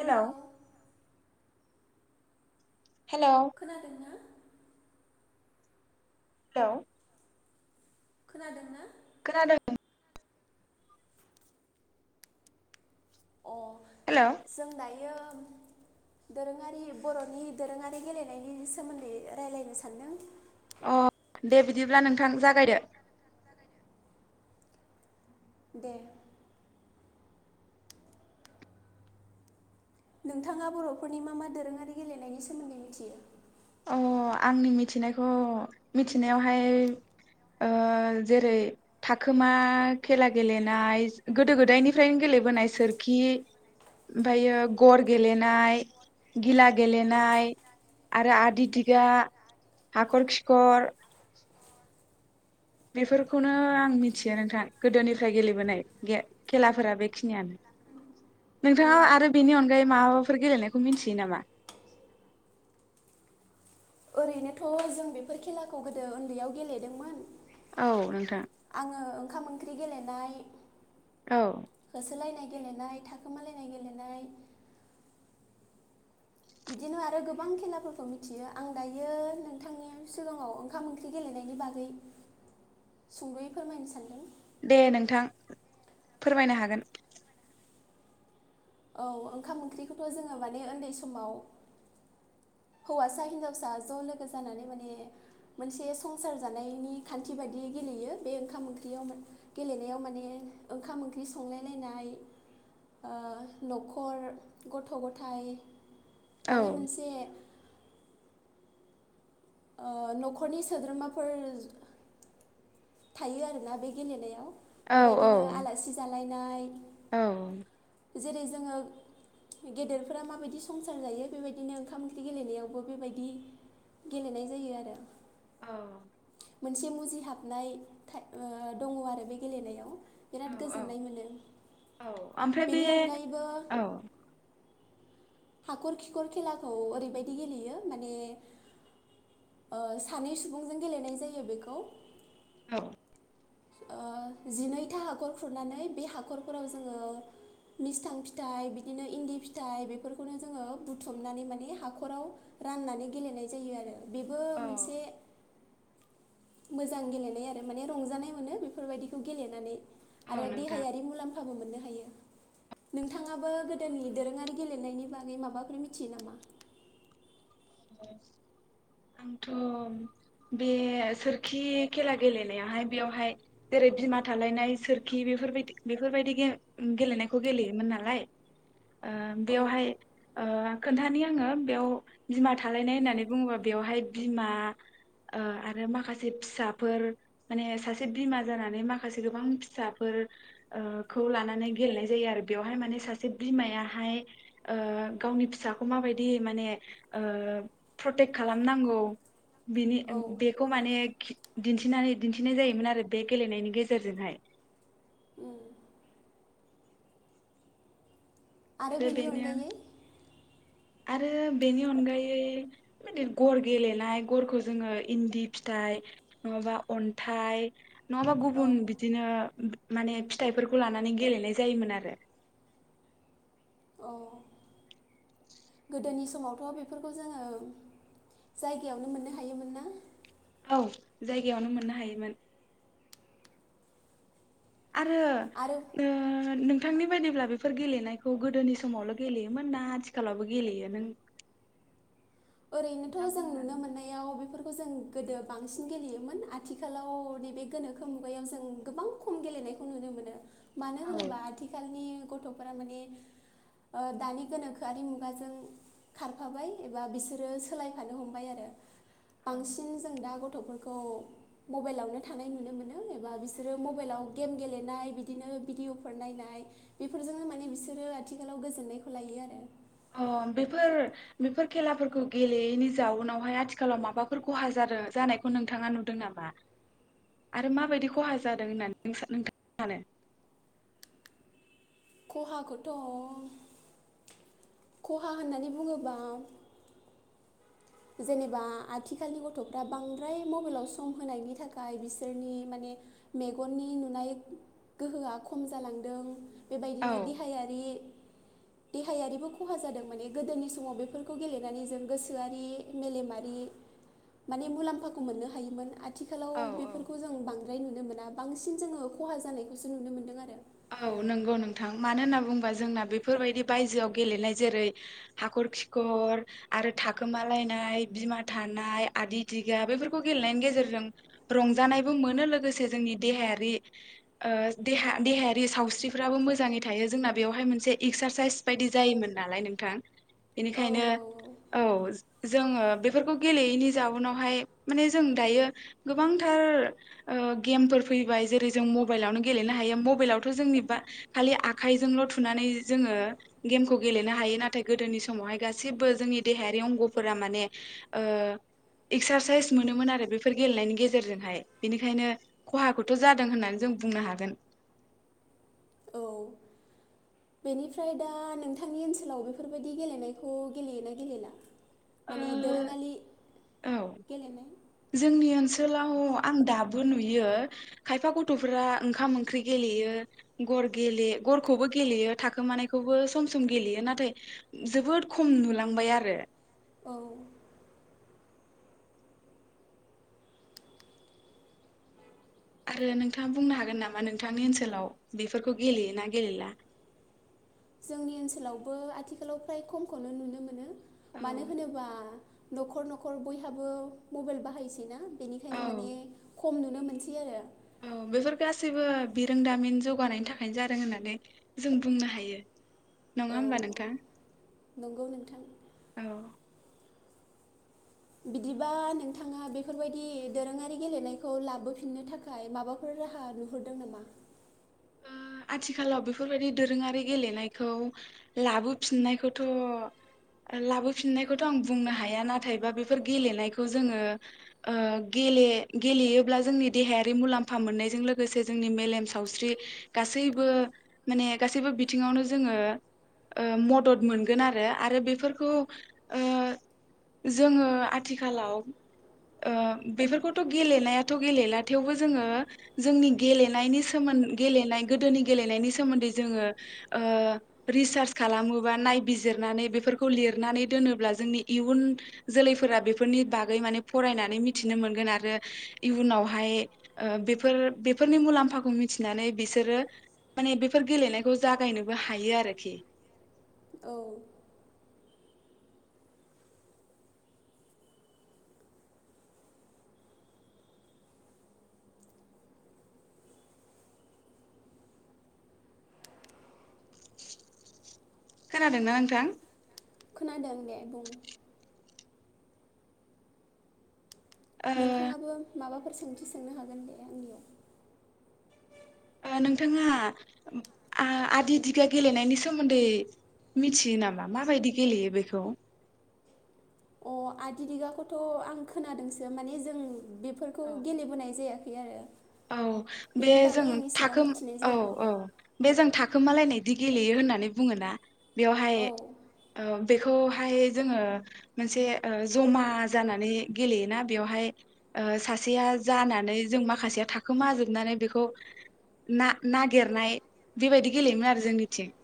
Hello hello खोनादों ना। Hello खोनादों ना। खानादों। उह हेलौ जों दायो। [unintelligible] दोरोङारि बर'नि दोरोङारि गेलेनायनि सोमोन्दै रायलायनो सान्दों। उह दे बिदिब्ला नोंथां जागायदो। दे। नोंथाङा बर'फोरनि मा मा दोरोङारि गेलेनायनि सोमोन्दै मिथियो उह आंनि मिथिनायखौ मिथिनायावहाय ओ जेरै थाखोमा खेला गेलेनाय गोदो गोदायनिफ्रायनो गेलेबोनाय सोरखि ओमफ्रायो गर गेलेनाय गिला गेलेनाय आरो आद दिग-दिगा हाखर-खिखर। बेफोरखौनो आं मिथियो नोंथां गोदोनिफ्राय गेलेबोनाय [unintelligible] खेलाफोरा बेखिनियानो औ नोंथाङा आरो बेनि अनगायै माबाफोर गेलेनायखौ मिथियो नामा? ओरैनोथ जों बेफोर खेलाखौ गोदो उन्दैयाव गेलेदोंमोन औ नोंथां आङो ओंखाम ओंख्रि गेलेनाय औ होसोलायनाय गेलेनाय, थाखोमालायनाय गेलेनाय, बिदिनो आरो गोबां खेलाफोरखौ मिथियो आं दायो नोंथांनि सिगाङाव ओंखाम ओंख्रि गेलेनायनि बागै सुंदयै फोरमायनो सानदों दे नोंथां फोरमायनो हागोन औ ओंखाम ओंख्रिखौथ जोंङो माने उन्दै समाव हौवासा हिनजावसा ज लोगो जानानै माने मोनसे संसार जानायनि खान्थि बायदि गेलेयो बे ओंखाम ओंख्रियाव गेलेनायाव माने ओंखाम ओंख्रि संलायलायनाय नखर, गथ- गथाइ औ माने मोनसे ओ नखरनि सोद्रोमाफोर थायो आरोना बे गेलेनायाव। औ बेबायदिनो आलासि जा लायनाय औ जेरै जोंङो गेदेरफोरा माबायदि संसार जायो बेबायदिनो ओंखाम ओंख्रि गेलेनायावबो बेबायदि गेलेनाय जायो आरो। औ मोनसे मुजि हाब नाय थाय-दंङ आरो बे गेलेनायाव। औ बिराद औ गोजोननाय मोनो औ ओमफ्राय बे बेनि अनगायैबो औ हाखर खिखर खेलाखौ ओरैबायदि गेलेयो माने ओ सानै सुबुंजों गेलेनाय जायो बेखौ औ ओ जिनैथा हाखर खुरनानै बे हाखरफोराव जोंङो मिस्थां फिथाइ बिदिनो इन्दि फिथाइ बेफोरखौनो जोंङो बुथुमनानै माने हाखराव राननानै गेलेनाय जायो आरो। बेबो औ मोनसे मोजां गेलेनाय आरो माने रंजानाय मोनो बेफोरबायदिखौ गेलेनानै। औ आरो नोंथां देहायारि मुलाम्फ खाबु मोननो हायो नोंथाङाबो गोदोनि दोरोंङारि गेलेनायनि बागै माबाफोर मिथियो नामा? आंथ बे सोरखि खेला गेलेनायावाहाय बेवहाय जेरै बिमा थालायनाय सोरखि बेफोरबायदि बेफोरबायदि गे-गेलेनायखौ गेलेयोमोन नालाय ओ औ बेयावहाय ओ खोन्थानि आंङो बेयाव बिमा थालायनाय दे होननानै बुंङोबा बेवहाय बिमा ओ आरो माखासे फिसाफोर माने सासे बिमा जानानै माखासे गोबां फिसाफोर ओ खौ लानानै गेलेनाय जायो आरो बेवहाय माने सासे बिमायाहाय ओ गावनि फिसाखौ माबायदि माने ओ प्रटेक्ट खालामनांगौ बिनि औ बेखौ माने खि दिन्थिनानै दिन्थिनाय जायोमोन आरो बे गेलेनायनि गेजेरजोंहाय। आरो बेनि अनगायै आरो बेनि अनगायै बिदो गर गेलेनाय गर खौ जोंङो इन्दि फिथाइ नङाबा अन्थाइ नङाबा औ गुबुन बिदिनो माने फिथाइफोरखौ लानानै गेलेनाय जायोमोन आरो अ गोदोनि समावथ बेफोरखौ जोङो जायगायावनो मोननो हायोमोन ना? औ जायगायावनो मोननो हायोमोन। आरो आरो नों नोंथांनि बायदिब्ला बेफोर गेलेनायखौ गोदोनि समावल गेलेयोमोन ना आथिखालावबो गेलेयो नों ओरैनोथ नोंथाङा जों बुंनो नुनो हागोन मोननायाव बेफोर खौ जों गोदो बांसिन गेलेयोमोन आथिखालाव नैबे गोनोखो मुगायाव जों गोबां खम गेलेनायखौ नुनो मोनो मानो नामा? होनोबा आथिखालनि गथफोरा माने दानि गोनोखोआरि मुगाजों खारफाबाय एबा बिसोर आरो सोलायफानो हमबाय आरो बांसिन जों दा गथफोरखौ मबाइलावनो थानाय नुनो मोनो एबा बिसोरो मबाइलाव गेम गेलेनाय बिदिनो भिडिअफोर नायनाय बेफोरजोंनो माने बिसोरो आथिखालाव गोजोननायखौ लायो आरो अ बेफोर बेफोर खेलाफोरखौ गेलेयैनि जाउनावहाय आथिखालाव माबाफोर खहा जादों जानायखौ नोंथाङा नुदों नामा? आरो माबायदि खहा जादों होननानै नोंथाङ सानो? खहाखौथ खहा होननानै बुङोबा जेनेबा आथिखालनि गथफ्रा बांद्राय मबाइलाव सम होनायनि थाखाय बिसोरनि माने मेगननि नुनाय गोहोआ खम जालांदों। औ बेबायदिनो देहायारि देहायारिबो खहा जादों माने गोदोनि समाव बेफोरखौ गेलेनानै जों गोसोआरि मेलेमारि माने मुलाम्फाखौ मोननो हायोमोन। आथिखालाव औ औ बेफोरखौ जों बांद्रा ओमफ्राय नुनो मोना बांसिन जोङो खहा जानायखौसो नुनो मोनदों आरो औ नंगौ नोंथां मानो होनना बुोबा जोंना बेफोरबायदि बायजोआव गेलेनाय जेरै हाखर खिखर आरो थाखोमालायनाय बिमा थानाय आदि दिगा बेफोरखौ गेलेनायनि गेजेरजों रंजानायबो मोनो लोगोसे जोंनि देहायारि देहायारि सावस्रिफ्राबो मोजाङै थायो जोंना बेयावहाय मोनसे एक्सारसाइस बायदि जायोमोन नालाय नोंथां औ बेनिखायनो औ। जोङो बेफोरखौ गेलेयैनि जाउनावहाय माने जों दायो गोबांथार गेमफोर फैबाय जेरै जों मबाइलावनो गेलेनो हायो मबाइलाव जोंनि बा खालि आखाइजोंल थुनानै जोङो गेमखौ गेलेनो हायो नाथाय गोदोनि समावहाय गासिबो जोंनि देहायारि अंगफोरा माने एक्सारसाइस मोनोमोन आरो बेफोर गेलेनायनि गेजेरजोंहाय बेनिखायनो खहाखौ थ जादों होननानै जों बुंनो हागोन औ बेनिफ्राय दा नोंथांनि ओनसोलाव बेफोरबायदि गेलेनायखौ गेलेयोना गेलेला? माने ओ दोरोङारि औ गेलेनाय जोंनि ओनसोलाव आं दाबो नुयो खायफा गथफोरा ओंखाम ओंख्रि गेलेयो गर गेले गरखौबो गेलेयो थाखोमानायखौबो सम सम गेलेयो नाथाय जोबोद खम नुलांबाय आरो औ आरो नोंथाङा बुंनो हागोन नामा नोंथांनि ओनसोलाव बेफोरखौ गेलेयोना गेलेला? जोंनि ओनसोलावबो आथिखालाव फ्राय खमखौनो नुनो मोनो। औ मानो होनोबा नखर नखर बयहाबो मबाइल बाहायसै ना बेनिखायनो माने खम नुनो मोनसै आरो औ बेफोर गासैबो बिरोंदामिन जौगानायनि थाखायनो जादों होननानै जों बुंनो हायो। औ नङा होमबा औ नोंथाङ नंगौ नोंथां औ बिदिबा नोंथाङा बेफोरबायदि दोरोङारि गेलेनायखौ लाबोफिननो थाखाय माबाफोर राहा नुहरदों नामा? आथिखालाव बेफोरबायदि दोरोङारि गेलेनायखौ लाबोफिननायखौथ लाबोफिननायखौथ आं बुंनो हाया नाथायबा बेफोर गेलेनायखौ जोङो गेले गेलेयोब्ला जोंनि देहायारि मुलाम्फा मोननायजों लोगोसे जोंनि मेलेम सावस्रि गासैबो माने गासैबो बिथिङावनो जोङो मदद मोनगोन आरो आरो बेफोरखौ जोङो आथिखालाव बेफोरखौथ गेलेनायाथ गेलेला थेवबो जोङो जोंनि गेलेनायनि सोमोन्दै गेलेनाय गोदोनि गेलेनायनि सोमोन्दै जोङो रिसार्च खालामोबा नायबिजिरनानै बेफोरखौ लिरनानै दोनोब्ला जोंनि इयुन जोलैफोरा बेफोरनि बागै माने फरायनानै मिथिनो मोनगोन आरो इयुनावहाय बेफोर बेफोरनि मुलाम्फाखौ मिथिनो थिनानै बिसोरो माने बेफोर गेलेनायखौ जागायनोबो हायो आरोखि। औ खोनादोंना नोंथां? खोनादों दे बुं। ओ नोंथाङाबो माबा फोर सोंथि सोंनो हागोन दे आंनियाव। ओ नोंथाङा आदि दिगा गेलेनायनि सोमोन्दै मिथियो नामा माबायदि गेलेयो बेखौ? अ आदि दिगाखौथ' आं खोनादोंसो माने जों बे फोरखौ गेलेबोनाय जाया खै आरो। औ बे बेनि जों बागै आं एसेबां थाखो मिथिनाय औ जाया औ बे जों थाख खोमालायनायदि गेलेयो होननानै बुङोना बेवहाय औ ओ बेखौहाय जोङो मोनसे ओ ज'मा जानानै गेलेयोना बेवहाय ओ सासेया जानानै जों माखासेया थाखोमा जोबनानै बेखौ ना-नागिरनाय बेबायदि गेलेयोमोन आरो जोंनिथिं।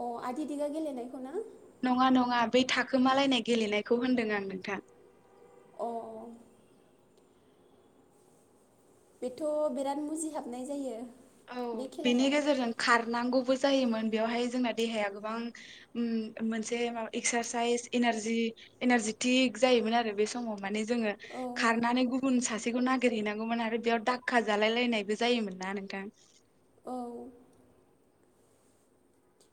अ आदि दिगा गेलेनायखौ ना? नङा नङा बै थाखोमालायनाय गेलेनायखौ होनदों आं नोंथां। अ बेथ' बिराद मुजिहाबनाय जायो। औ बे खेलाया बेनि गेजेरजों खारनांगौबो जायोमोन बेयावहाय जोंना देहाया गोबां ओम मोनसे माबा एक्सारसाइस एनारजि एनारजिटिक जायोमोन आरो बे समाव माने जोङो औ खारनानै गुबुन सासेखौ नागिरहैनांगौमोन आरो बेयाव दाक्का जालाय लायनायबो जायोमोन ना नोंथां। औ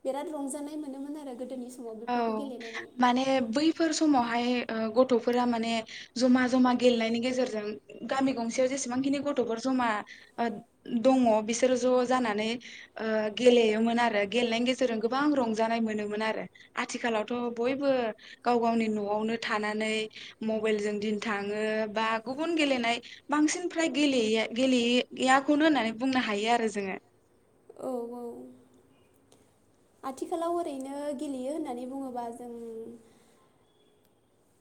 बिराद रंजानाय मोनोमोन आरो गोदोनि समाव औ बेफोरखौ गेलेनानै माने बै फोर समावहाय ओ गथ'फोरा माने ज'मा ज'मा गेलेनायनि गेजेरजों गामि गंसेयाव जेसेबांखिनि गथ'फोर ज'मा ओ दङ बिसोरो ज' जानानै ओ गेलेयोमोन आरो गेलेनायनि गेजेरजों गोबां रंजानाय मोनोमोन आरो। आथिखालावथ' बयबो गाव गावनि न'आवनो थानानै मबेलजों दिन थाङो बा गुबुन गेलेनाय बांसिन फ्राय गेलेये-गेलेये-याखौनो होननानै बुंनो हायो आरो जोङो। औ औ आथिखालाव ओरैनो गेलेयो होननानै बुङोबा जों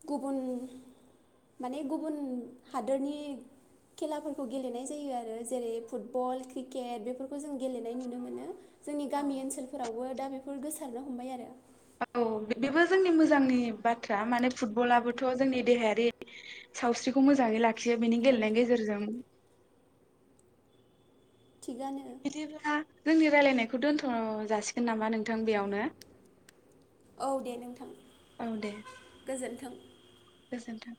गुबुन माने गुबुन हादोरनि खेलाफोरखौ गेलेनाय जायो आरो जेरै फुटबल, क्रिकेट बेफोरखौ जों गेलेनाय नुनो मोनो। जोंनि औ गामि ओनसोलफोरावबो दा बेफोर गोसा सारनो हमबाय आरो। औ बेबो जोंनि मोजांनि बाथ्रा माने फुटबलाबोथ' जोंनि देहायारि सावस्रिखौ मोजाङै लाखियो बेनि गेलेनायनि गेजेरजों थिगानो बिदिब्ला जोंनि रायलायनायखौ खौ दोन्थ' जासिगोन नामा नोंथां बेयावनो? औ दे नोंथां औ दे गोजोनथों थों गोजोन्थों।